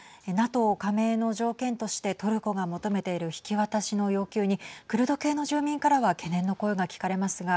ＮＡＴＯ加盟の条件としてトルコが求めている引き渡しの要求にクルド系の住民からは懸念の声が聞かれますが